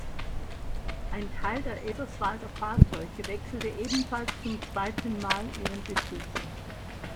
Ein Teil der Eberswalder Fahrzeuge wechselte ebenfalls zum zweiten Mal ihren Besitzer.